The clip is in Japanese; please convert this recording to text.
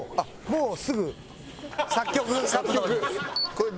もうすぐ作曲作曲。